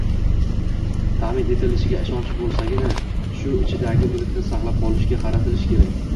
ta’min etilishiga ishonch bo‘lsagina uy ichidagi mulkni saqlab qolishga qaratilishi kerak.